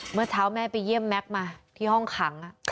เมื่อเช้าแม่ไปเยี่ยมแม็กซ์มาที่ห้องขัง